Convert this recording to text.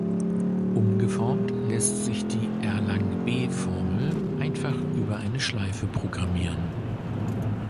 Umgeformt lässt sich die Erlang-B-Formel einfach über eine Schleife programmieren.